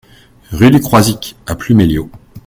Rue du Croizic à Pluméliau